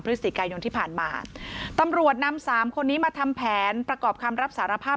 พฤศจิกายนที่ผ่านมาตำรวจนำสามคนนี้มาทำแผนประกอบคำรับสารภาพ